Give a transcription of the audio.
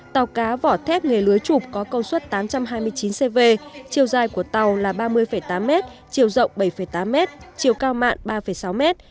tàu cá vỏ thép nghề lưới chụp có công suất tám trăm hai mươi chín cv chiều dài của tàu là ba mươi tám m chiều rộng bảy tám mét chiều cao mặn ba sáu mét